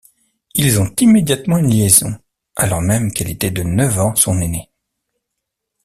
Ils ont immédiatement une liaison, alors même qu'elle était de neuf ans son aînée.